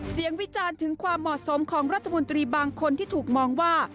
วิจารณ์ถึงความเหมาะสมของรัฐมนตรีบางคนที่ถูกมองว่า